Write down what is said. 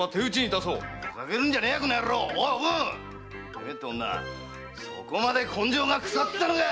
てめえって女はそこまで根性が腐ったのか‼